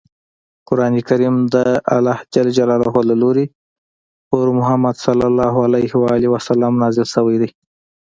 قران کریم د الله ج له لورې په محمد ص نازل شوی دی.